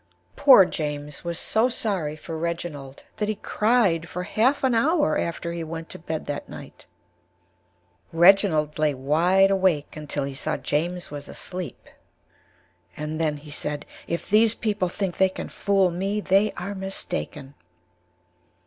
Poor James was so sorry for Reginald that he cried for Half an Hour after he Went to Bed that Night. Reginald lay wide Awake until he saw James was Asleep and then he Said if these people think they can Fool me, they are Mistaken.